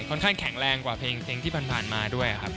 ข้างแข็งแรงกว่าเพลงที่ผ่านมาด้วยครับ